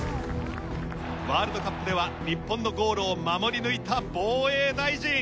ワールドカップでは日本のゴールを守り抜いた防衛大臣。